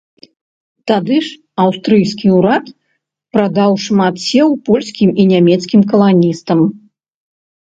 Тады ж аўстрыйскі ўрад прадаў шмат сеў польскім і нямецкім каланістам.